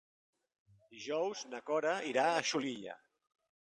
Dijous na Cora irà a Xulilla.